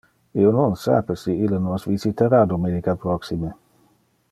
Io non sape si ille nos visitara dominica proxime.